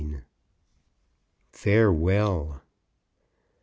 FAREWELL.